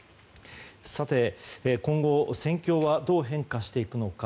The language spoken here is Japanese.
今後、戦況はどう変化していくのか。